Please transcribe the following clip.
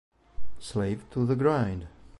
Slave to the Grind